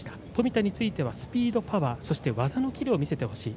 冨田についてはスピード、パワー技のキレを見せてほしい。